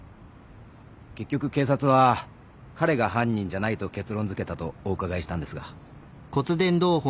結局警察は彼が犯人じゃないと結論づけたとお伺いしたんですが？